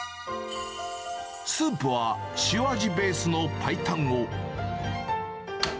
スープは、塩味ベースの白湯を。